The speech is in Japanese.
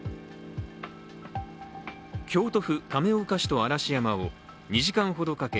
京都府亀岡市と嵐山を２時間ほどかけ